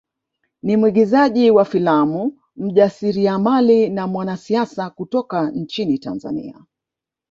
Ni mwigizaji wa filamu mjasiriamali na mwanasiasa kutoka nchini Tanzania